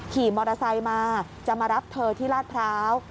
ขี่มอเตอร์ไซค์มาจะมารับเธอที่ลาดพร้าว